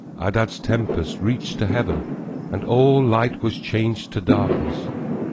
Adad's tempest reached to heaven, And all light was changed to darkness.